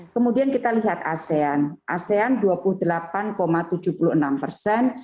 kemudian kita lihat asean asean dua puluh delapan tujuh puluh enam persen